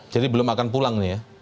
jadi belum akan pulang nih ya